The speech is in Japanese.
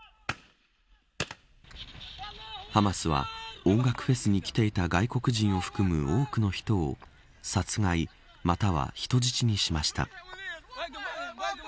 ハマスは音楽フェスに来ていた外国人を含む多くの人を殺害、または人質にしました。